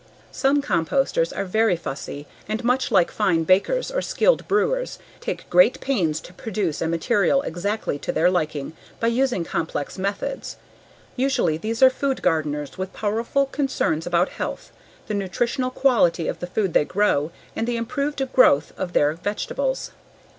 Some composters are very fussy and much like fine bakers or skilled brewers, take great pains to produce a material exactly to their liking by using complex methods. Usually these are food gardeners with powerful concerns about health, the nutritional quality of the food they grow and the improved growth of their vegetables.